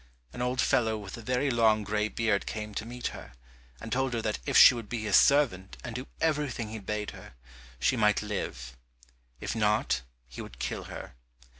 An old fellow with a very long gray beard came to meet her, and told her that if she would be his servant and do everything he bade her, she might live, if not he would kill her.